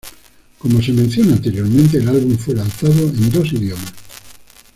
Como se menciona anteriormente, el álbum fue lanzado en dos idiomas.